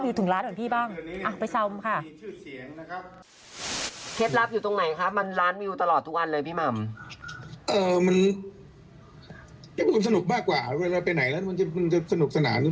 เวลาไปไหนมันมันจะสนุกสนาน